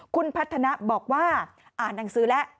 คุณพัฒนะบอกว่าอ่านหนังสือแล้ว